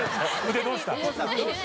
腕、どうした？